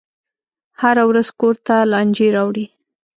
هره ورځ کور ته لانجې راوړي.